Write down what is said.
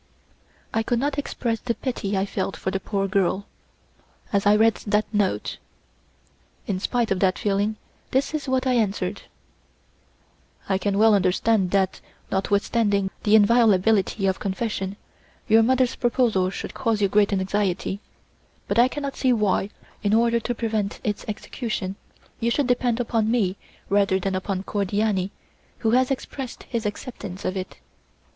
I could not express the pity I felt for the poor girl, as I read that note. In spite of that feeling, this is what I answered: "I can well understand that, notwithstanding the inviolability of confession, your mother's proposal should cause you great anxiety; but I cannot see why, in order to prevent its execution, you should depend upon me rather than upon Cordiani who has expressed his acceptance of it.